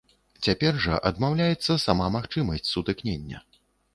Цяпер жа адмаўляецца сама магчымасць сутыкнення.